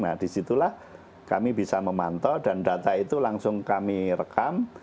nah disitulah kami bisa memantau dan data itu langsung kami rekam